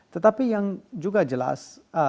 tetapi yang juga jelas